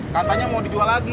katanya mau dijual lagi